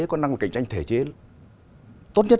một cạnh tranh thể chế tốt nhất